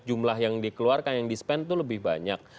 jumlah yang dikeluarkan yang di spend itu lebih banyak